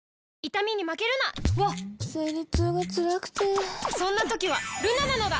わっ生理痛がつらくてそんな時はルナなのだ！